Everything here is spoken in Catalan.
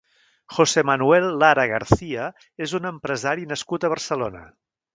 José Manuel Lara García és un empresari nascut a Barcelona.